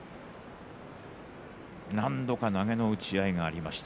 何度か投げの打ち合いがありました。